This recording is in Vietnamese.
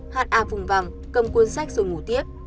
ha vùng vẳng cầm cuốn sách rồi ngủ tiếp